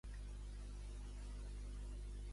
Quina relació hi ha entre Carmena i Podem?